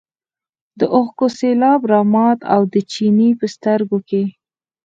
د اوښکو سېلاب رامات و د چیني په سترګو کې.